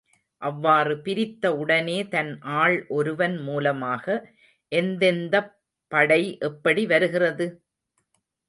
அவ்வாறு பிரித்த உடனே தன் ஆள் ஒருவன் மூலமாக, எந்தெந்தப் படை எப்படி வருகிறது?